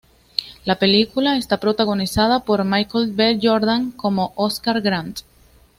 La película está protagonizada por Michael B. Jordan como "Oscar Grant".